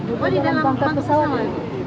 oh di dalam bangkai pesawat